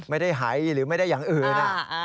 ไม่ได้หายหรือไม่ได้อย่างอื่น